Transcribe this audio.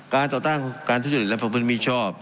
การต่อต้านการทุจจริตและภพพลิตมีชอบ